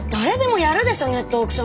ネットオークションぐらい！